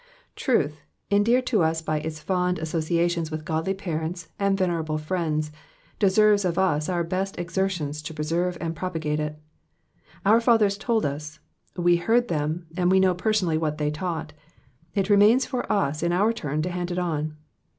Truth, endeared to us by its fond associations with godly parents and venerable friends, deserves of us our best exertions to preserve and propagate it. Our fathers told us, we heard them, and we know personally what they taught ; it remains for us in our turn to hand it on.